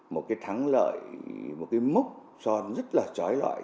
một cái thắng lợi một cái múc so rất là trói lọi